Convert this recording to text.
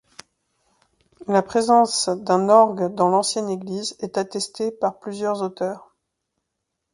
La présence d'un orgue dans l'ancienne église est attestée par plusieurs auteurs.